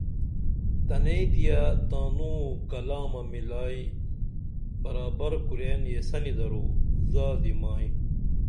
تنئیں تیہ تانوں کلمہ مِلائی برابر کورین یسنی درو زادی مائی